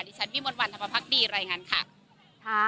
ดิฉันวิมนต์วันทำพักดีอะไรอย่างนั้นค่ะ